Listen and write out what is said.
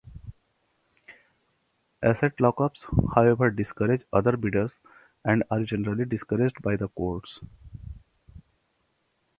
Asset lock-ups, however, discourage other bidders, and are generally discouraged by the courts.